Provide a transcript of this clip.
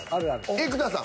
生田さん。